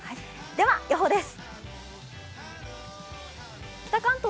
では、予報です。